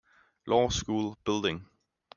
Law School Building.